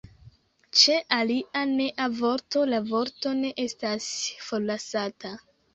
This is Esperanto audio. Ĉe alia nea vorto la vorto ne estas forlasata.